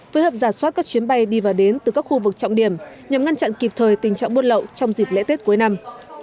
phối hợp giả soát các chuyến bay đi và đến từ các khu vực trọng điểm nhằm ngăn chặn kịp thời tình trạng buôn lậu trong dịp lễ tết cuối năm